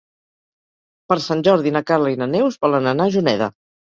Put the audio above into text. Per Sant Jordi na Carla i na Neus volen anar a Juneda.